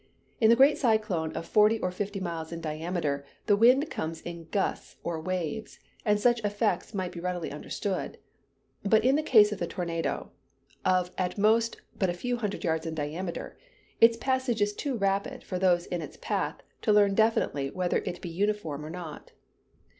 In the great cyclone of forty or fifty miles in diameter, the wind comes in gusts or waves, and such effects might be readily understood; but in the case of the tornado, of at most but a few Hundred yards in diameter, its passage is too rapid for those in its path to learn definitely whether it be uniform or not.